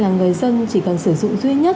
người dân chỉ cần sử dụng duy nhất